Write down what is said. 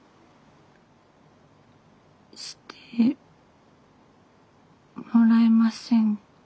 してもらえませんか？